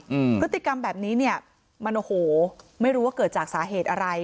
อืมพฤติกรรมแบบนี้เนี้ยมันโอ้โหไม่รู้ว่าเกิดจากสาเหตุอะไร